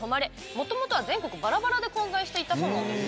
もともとは全国ばらばらで混在していたそうなんです。